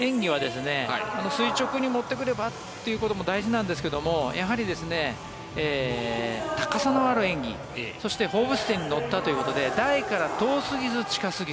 演技は垂直に持ってくればということも大事なんですがやはり高さのある演技そして放物線に乗ったということで台から遠すぎず近すぎず。